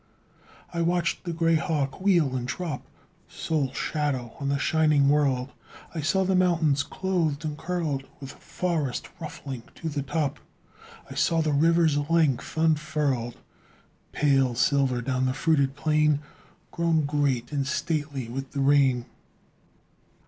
I watched the gray hawk wheel and drop, Sole shadow on the shining world; I saw the mountains clothed and curled, With forest ruffling to the top; I saw the river's length unfurled, Pale silver down the fruited plain, Grown great and stately with the rain.